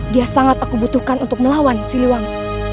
dia sangat aku butuhkan untuk melawan si luang